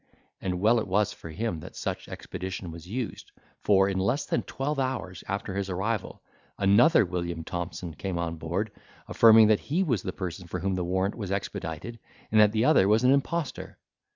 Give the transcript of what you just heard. And well it was for him that such expedition was used; for, in less than twelve hours after his arrival, another William Thompson came on board, affirming that he was the person for whom the warrant was expedited, and that the other was an impostor.